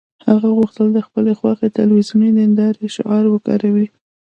هغه غوښتل د خپلې خوښې تلویزیوني نندارې شعار وکاروي